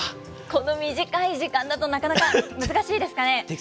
この短い時間だとなかなか難しいですかね。